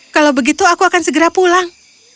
kalau begitu aku akan segera pulang